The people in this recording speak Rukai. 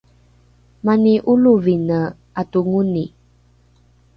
mani ’olovine ’atongoni